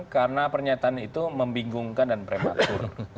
karena pernyataan itu membingungkan dan prematur